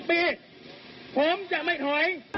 ปีผมจะไม่ถอย